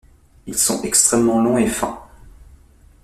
Ils sont extrêmement longs et fins.